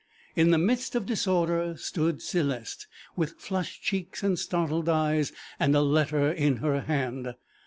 In the midst of disorder stood Céleste, with flushed cheeks and startled eyes, and a letter in her hand.